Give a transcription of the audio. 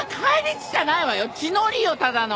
血のりよただの。